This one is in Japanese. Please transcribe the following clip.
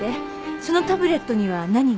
そのタブレットには何が？